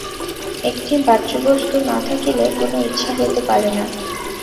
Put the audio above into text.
একটি বাহ্যবস্তু না থাকিলে কোন ইচ্ছা হইতে পারে না।